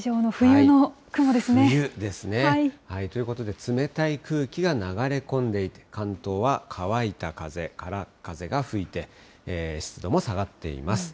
冬ですね。ということで、冷たい空気が流れ込んで、関東は乾いた風、からっ風が吹いて、湿度も下がっています。